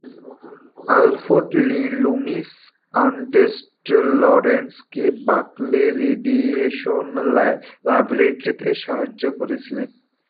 Alfred Lee Loomis Ernest লরেন্সকে Berkeley radiation ল্যাবরেটরিতে সাহায্য করছিলেন।